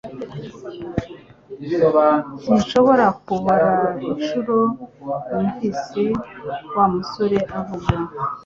Sinshobora kubara inshuro numvise Wa musore avuga